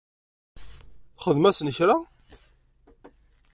Txdem-asen kra?